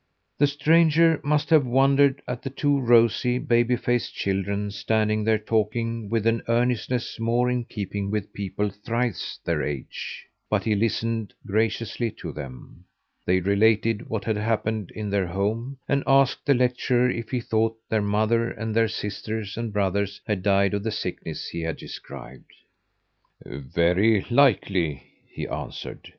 The stranger must have wondered at the two rosy, baby faced children standing there talking with an earnestness more in keeping with people thrice their age; but he listened graciously to them. They related what had happened in their home, and asked the lecturer if he thought their mother and their sisters and brothers had died of the sickness he had described. "Very likely," he answered.